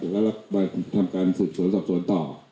และมันทำการสืบสวนสบสวนต่อ